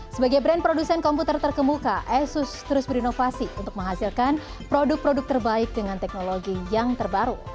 sebagai brand produsen komputer terkemuka asus terus berinovasi untuk menghasilkan produk produk terbaik dengan teknologi yang terbaru